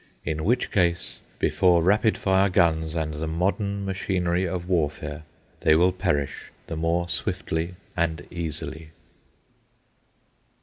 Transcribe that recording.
In which case, before rapid fire guns and the modern machinery of warfare, they will perish the more swiftly and easily.